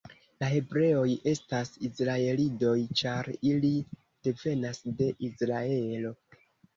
La hebreoj estas Izraelidoj, ĉar ili devenas de Izraelo.